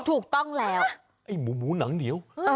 ถูกต้องแล้วไอ้หมูหมูหนังเหนียว